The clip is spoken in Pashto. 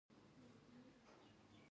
هېواد د ښوونې لار ده.